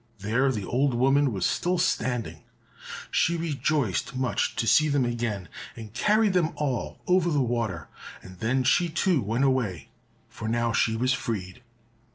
There the old woman was still standing. She rejoiced much to see them again, and carried them all over the water, and then she too went away, for now she was freed.